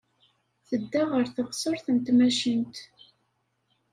Tedda ɣer teɣsert n tmacint.